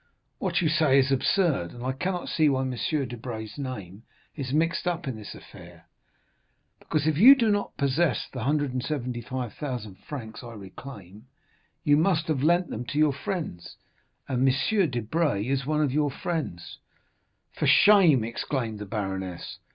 "What you say is absurd, and I cannot see why M. Debray's name is mixed up in this affair." "Because if you do not possess the 175,000 francs I reclaim, you must have lent them to your friends, and M. Debray is one of your friends." 30245m "For shame!" exclaimed the baroness.